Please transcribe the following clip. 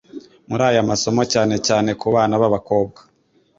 muri ayo masomo cyane cyane ku bana b'abakobwa